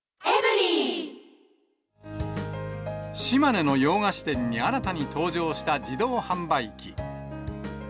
島根の洋菓子店に新たに登場した自動販売機。